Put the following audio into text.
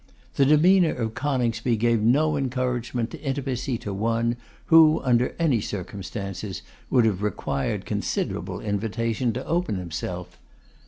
The demeanour of Coningsby gave no encouragement to intimacy to one, who, under any circumstances, would have required considerable invitation to open himself.